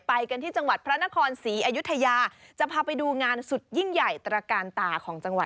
ไปกันที่จังหวัดพระนครศรีอยุธยาจะพาไปดูงานสุดยิ่งใหญ่ตระกาลตาของจังหวัด